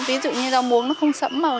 ví dụ như rau muống nó không sẫm màu